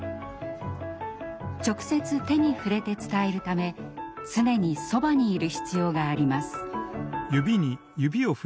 直接、手に触れて伝えるため常にそばにいる必要があります。